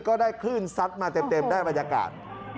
ก็ได้คลื่นซัดมาเต็มได้บรรยากาศ